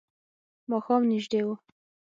ماښام نژدې و.